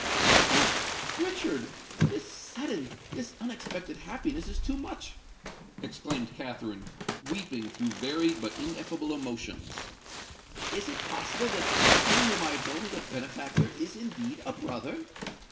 "Oh! Richard—this sudden—this unexpected happiness is too much!" exclaimed Katherine, weeping through varied but ineffable emotions. "Is it possible that he whom I have known as a benefactor is indeed a brother!"